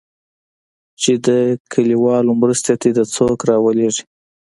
چې د کليوالو مرستې ته دې څوک راولېږي.